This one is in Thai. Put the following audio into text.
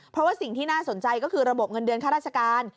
เพราะว่าสิ่งที่น่าสนใจก็คือระบบเงินเดือนค่าราชการ